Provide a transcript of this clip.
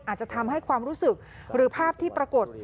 อาจจะทำให้ความรู้สึกหรือภาพที่ปรากฏ